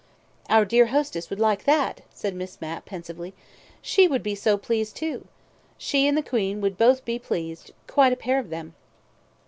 "Our dear hostess would like that," said Miss Mapp pensively. "She would be so pleased, too. She and the Queen would both be pleased. Quite a pair of them."